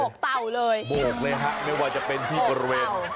กเต่าเลยโบกเลยฮะไม่ว่าจะเป็นที่บริเวณ